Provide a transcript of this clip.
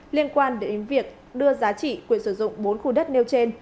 liên quan đến việc đưa giá trị quyền sử dụng bốn khu đất nêu trên